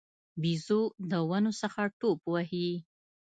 بیزو د ونو څخه ټوپ وهي.